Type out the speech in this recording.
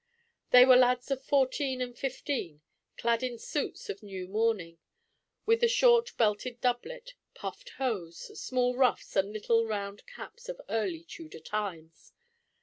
They were lads of fourteen and fifteen, clad in suits of new mourning, with the short belted doublet, puffed hose, small ruffs and little round caps of early Tudor times.